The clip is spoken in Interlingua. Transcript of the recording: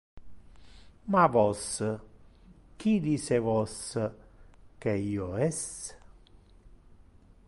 Ma vos, qui dice vos que io es?